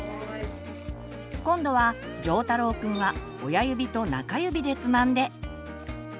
今度はじょうたろうくんは親指と中指でつまんで。